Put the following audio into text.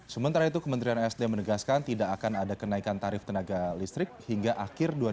sementara itu kementerian sdm menegaskan tidak akan ada kenaikan tarif tenaga listrik hingga akhir dua ribu dua puluh